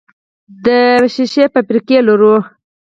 د شیشې فابریکه لرو؟